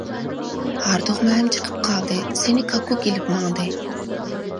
ھاردۇقمۇ ھەم چىقىپ قالدى، سېنى كاككۇك ئېلىپ ماڭدى.